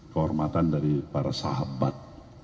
kehormatan dari para sahabat